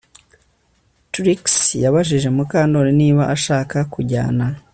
Trix yabajije Mukandoli niba ashaka kujyana